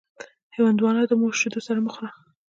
هندوانه د مور شیدو سره مه خوره.